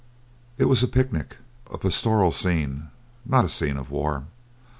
It was a picnic, a pastoral scene, not a scene of war.